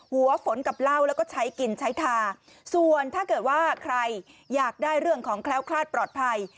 หัวฝนกับเหล้าแล้วก็ใช้กินใช้ทาส่วนถ้าเกิดว่าใครอยากได้เรื่องของแคล้วคลาดปลอดภัย